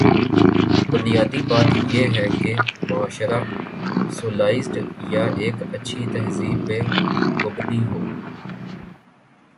بنیادی بات یہ ہے کہ معاشرہ سولائزڈ یا ایک اچھی تہذیب پہ مبنی ہو۔